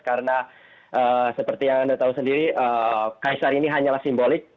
karena seperti yang anda tahu sendiri kaisar ini hanyalah simbolik